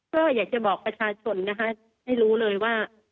ก็อยากจะบอกประชาชนนะคะให้รู้เลยว่า